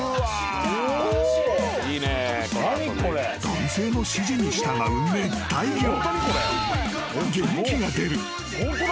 ［男性の指示に従う熱帯魚］